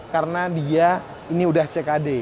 karena dia ini udah ckd